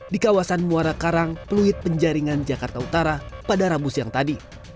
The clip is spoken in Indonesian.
di kawasan muara karang pluit penjaringan jakarta utara pada rabu siang tadi